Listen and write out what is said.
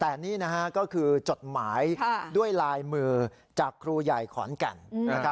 แต่นี่นะฮะก็คือจดหมายด้วยลายมือจากครูใหญ่ขอนแก่นนะครับ